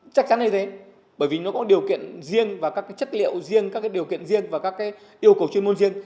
chắc chắn như thế bởi vì nó có điều kiện riêng và các chất liệu riêng các điều kiện riêng và các yêu cầu chuyên môn riêng